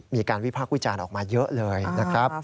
มีการวิพากษ์วิจารณ์ออกมาเยอะเลยนะครับ